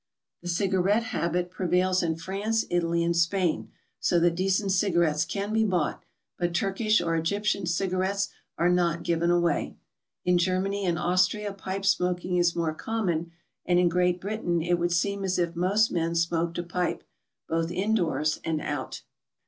The cigarette habit prevails in France, Italy, and Spain, so that decent cigarettes can be bought, but Turkish or Egyptian cigarettes are not given away. In Germany and Austria pipe smoking is more common, and in Great Britain it would seem as if most men smoked a pipe, both in doors and out.